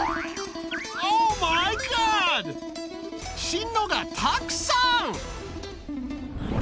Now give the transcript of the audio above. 進路がたくさん！